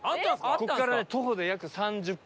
ここからね徒歩で約３０分。